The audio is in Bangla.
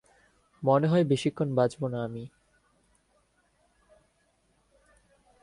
মনেহয় বেশিক্ষন বাঁচবনা আমি!